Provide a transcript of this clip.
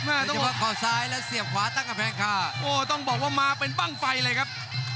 อาวุธนี่จะมาขอบซ้ายแล้วเสียบขวาตั้งกระแพงค่ะโอ้ต้องบอกว่ามาเป็นบ้างไฟเลยครับ